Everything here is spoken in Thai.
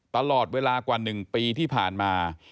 ตลอดเวลากว่า๑ปีที่ผ่านมา